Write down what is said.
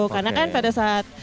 karena kan pada saat